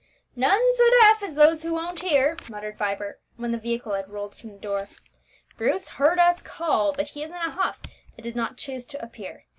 "None so deaf as those who won't hear," muttered Vibert, when the vehicle had rolled from the door. "Bruce heard us call, but he is in a huff, and did not choose to appear.